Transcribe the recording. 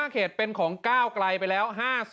เขตเป็นของก้าวไกลไปแล้ว๕๐